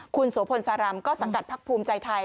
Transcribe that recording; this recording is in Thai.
คุณโสพลสารำก็สังกัดพักภูมิใจไทย